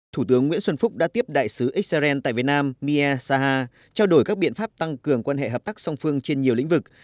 thủ tướng nguyễn xuân phúc đã tiếp đại sứ israel tại việt nam mie saha trao đổi các biện pháp tăng cường quan hệ hợp tác song phương trên nhiều lĩnh vực